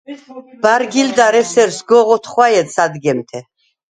ბა̈რგილდა̈რ ესერ სგოღ ოთხვაჲედ სადგემთე.